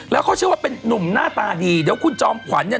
แล้วเขาเชื่อว่าเป็นนุ่มหน้าตาดีเดี๋ยวคุณจอมขวัญเนี่ย